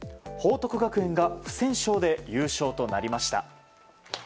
報徳学園が不戦勝で優勝となりました。